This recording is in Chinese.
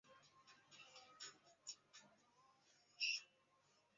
本文即阐述这两种色彩空间。